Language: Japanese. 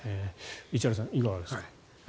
石原さん、いかがですか？